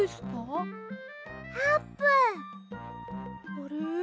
あれ？